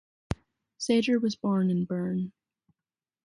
Sager was born in Bern.